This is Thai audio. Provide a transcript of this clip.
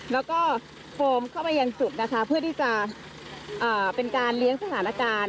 แล้วก็โฟมเข้าไปยังจุดนะคะเพื่อที่จะเป็นการเลี้ยงสถานการณ์